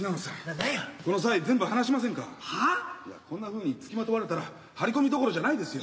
いやこんなふうに付きまとわれたら張り込みどころじゃないですよ。